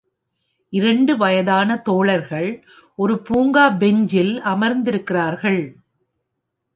இரண்டு வயதான தோழர்கள் ஒரு பூங்கா பெஞ்சில் அமர்ந்திருக்கிறார்கள்